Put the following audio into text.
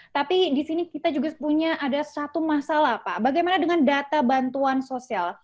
tapi di sini kita juga punya ada satu masalah pak bagaimana dengan data bantuan sosial